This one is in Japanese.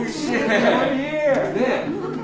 ねえ。